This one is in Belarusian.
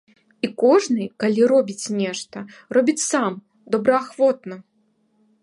І кожны, калі робіць нешта, робіць сам, добраахвотна.